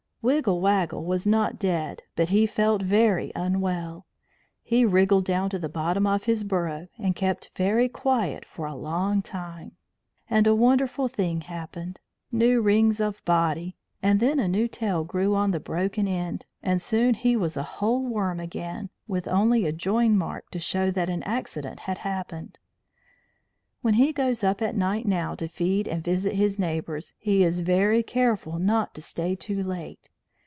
Wiggle Waggle was not dead, but he felt very unwell. He wriggled down to the bottom of his burrow, and kept very quiet for a long time. And a wonderful thing happened. New rings of body, and then a new tail, grew on the broken end, and soon he was a whole worm again, with only a join mark to show that an accident had happened. When he goes up at night now to feed and visit his neighbours, he is very careful not to stay too late.